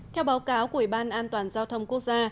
theo báo cáo của ủy ban an toàn giao thông quốc gia